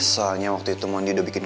soalnya waktu itu mondi udah bikin